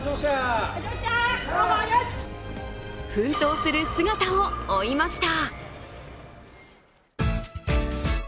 奮闘する姿を追いました。